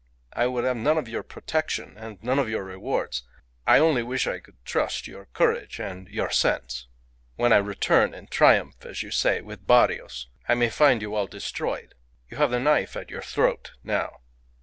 "I would have none of your protection and none of your rewards. I only wish I could trust your courage and your sense. When I return in triumph, as you say, with Barrios, I may find you all destroyed. You have the knife at your throat now."